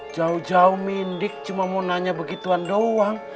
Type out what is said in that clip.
jauh jauh mindik cuma mau nanya begituan doang